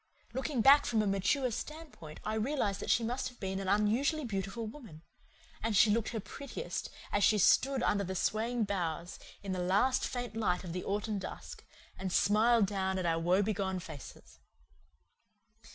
Looking back from a mature standpoint I realize that she must have been an unusually beautiful woman; and she looked her prettiest as she stood under the swaying boughs in the last faint light of the autumn dusk and smiled down at our woebegone faces.